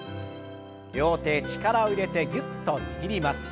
両手力を入れてぎゅっと握ります。